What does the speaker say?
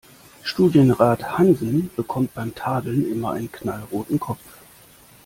Studienrat Hansen bekommt beim Tadeln immer einen knallroten Kopf.